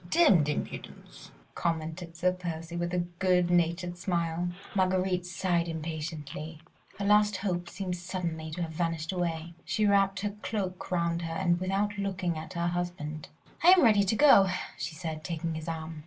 "Demmed impudence," commented Sir Percy with a good natured smile. Marguerite sighed impatiently. Her last hope seemed suddenly to have vanished away. She wrapped her cloak round her and without looking at her husband: "I am ready to go," she said, taking his arm.